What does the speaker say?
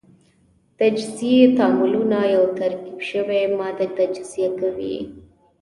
تجزیوي تعاملونه یوه ترکیب شوې ماده تجزیه کوي.